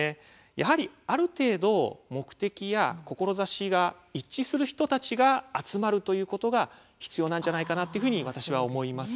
やはり、ある程度目的や志が一致する人たちが集まるということが必要なんじゃないかなと私は思います。